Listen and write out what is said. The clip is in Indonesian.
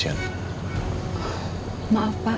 sekarang kasusnya sedang diurus sama pihak polisian